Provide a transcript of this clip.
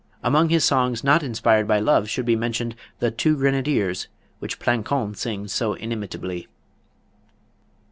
Among his songs not inspired by love should be mentioned the "Two Grenadiers," which Plançon sings so inimitably.